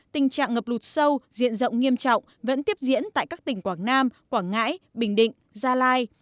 tình trạng ngập lụt sâu diện rộng nghiêm trọng vẫn tiếp diễn tại các tỉnh quảng nam quảng ngãi bình định gia lai